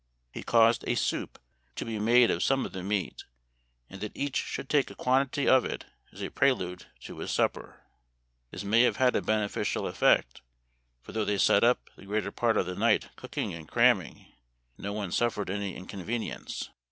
He caused a soup to be made ol some of the meat, and that each should take a quantity of it as a prelude to his supper. This may have had a beneficial effect, tor though they sat up the greater part of the night cook* riming, no one suffered any incon venience.